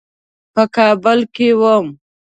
په کابل کې وم.